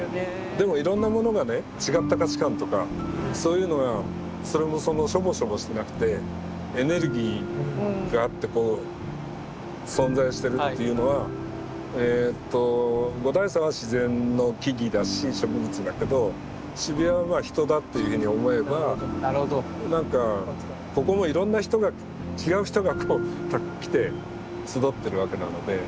でもいろんなものがね違った価値観とかそういうのがそれもしょぼしょぼしてなくてエネルギーがあってこう存在してるっていうのは五台山は自然の木々だし植物だけど渋谷は人だっていうふうに思えばなんかここもいろんな人が違う人が来て集ってるわけなので結構似てるかなと。